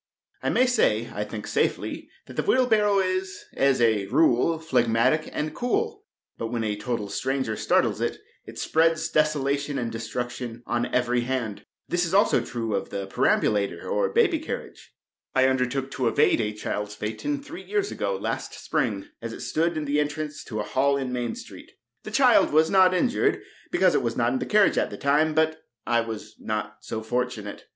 I may say, I think, safely, that the wheelbarrow is, as a rule, phlegmatic and cool; but when a total stranger startles it, it spreads desolation and destruction on every hand. This is also true of the perambulator, or baby carriage. I undertook to evade a child's phaeton, three years ago last spring, as it stood in the entrance to a hall in Main street. The child was not injured, because it was not in the carriage at the time; but I was not so fortunate.